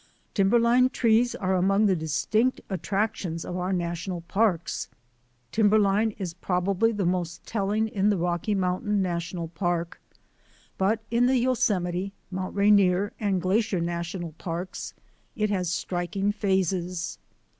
Timberline trees are among the distinct attrac tions of our national parks. Timberline is prob ably the most telling in the Rocky Mountain National Park, but in the Yosemite, Mount Rain ier, and Glacier National parks it has striking phases.